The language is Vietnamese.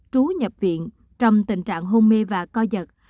trú nhập viện trong tình trạng hôn mê và co giật